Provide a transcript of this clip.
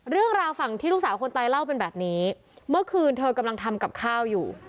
เรื่องราวฝั่งที่ลูกสาวคนตายเล่าเป็นแบบนี้เมื่อคืนเธอกำลังทำกับข้าวอยู่